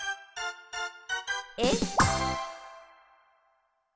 えっ？